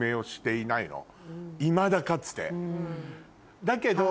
いまだかつて。